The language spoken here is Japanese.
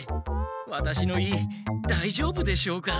ワタシの胃だいじょうぶでしょうか？